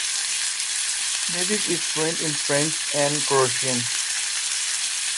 Davies is fluent in French and Croatian.